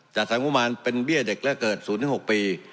จัดสรรค์งบมันเป็นเบี้ยเด็กแรกเกิดศูนย์ที่๖ปี